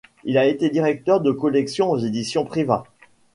Il a été directeur de collection aux éditions Privat.